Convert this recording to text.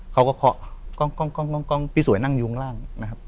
เฮียวเดียวพี่สวยนั่งยูงร่างนะครับ